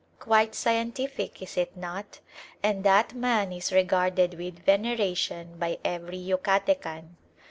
Quite scientific, is it not? And that man is regarded with veneration by every Yucatecan.